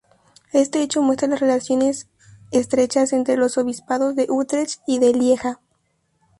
Este hecho muestra las relaciones estrechas entre los obispados de Utrecht y de Lieja.